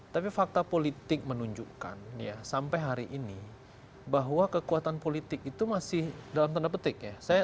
tapi fakta politik menunjukkan ya sampai hari ini bahwa kekuatan politik itu masih dalam tanda petik ya